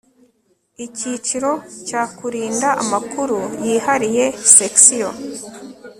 icyiciro cya kurinda amakuru yihariye sectio